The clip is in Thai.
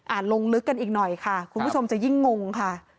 ลงลึกกันอีกหน่อยค่ะคุณผู้ชมจะยิ่งงงค่ะ